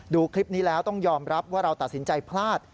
ดูคลิปนี้แล้วต้องยอมรับว่าเราตัดสินใจพลาด